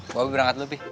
bawa berangkat pi